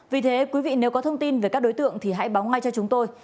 vì thế quý vị nếu có thông tin về các đối tượng thì hãy báo ngay cho chúng tôi